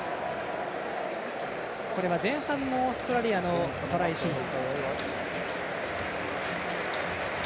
これは前半のオーストラリアのトライシーン。